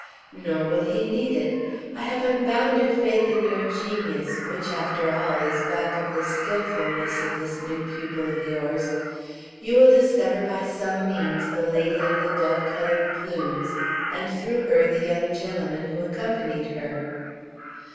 "Nor will he need it. I have unbounded faith in your genius, which, after all, is back of the skilfulness of this new pupil of yours. You will discover by some means the lady with the dove colored plumes, and through her the young gentleman who accompanied her."